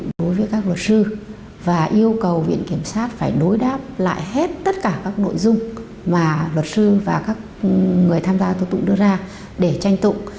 đối với các luật sư và yêu cầu viện kiểm sát phải đối đáp lại hết tất cả các nội dung mà luật sư và các người tham gia tố tụng đưa ra để tranh tụng